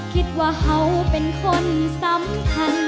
คิดว่าเขาเป็นคนสำคัญ